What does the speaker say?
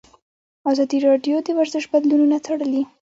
ازادي راډیو د ورزش بدلونونه څارلي.